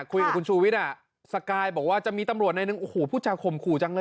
คุยกับคุณชูวิทย์อ่ะสกายบอกว่าจะมีตำรวจในหนึ่งโอ้โหพูดจากข่มขู่จังเลย